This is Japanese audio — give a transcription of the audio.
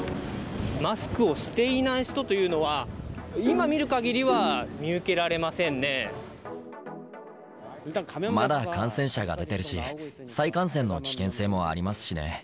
マスクをしていない人というのは、まだ感染者が出てるし、再感染の危険性もありますしね。